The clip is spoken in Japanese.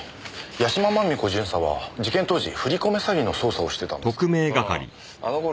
屋島真美子巡査は事件当時振り込め詐欺の捜査をしてたんですか？